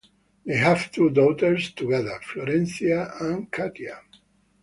They have two daughters together: Florencia and Katia.